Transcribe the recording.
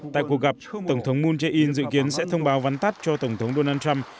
tại cuộc gặp tổng thống moon jae in dự kiến sẽ thông báo vắn tắt cho tổng thống donald trump